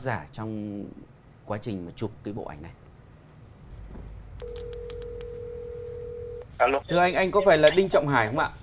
giả trong quá trình mà chụp cái bộ ảnh này thưa anh anh có phải là đinh trọng hải không ạ